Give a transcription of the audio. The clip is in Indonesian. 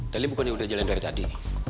tapi bukan yang udah jalan dari tadi